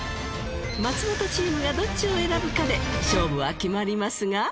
松本チームがどっちを選ぶかで勝負は決まりますが。